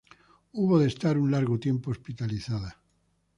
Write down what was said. Hubo de estar un largo tiempo hospitalizada.